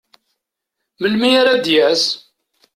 Melmi ara d-yas?